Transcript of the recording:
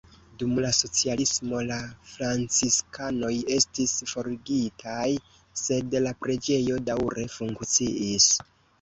Dum la socialismo la franciskanoj estis forigitaj, sed la preĝejo daŭre funkciis.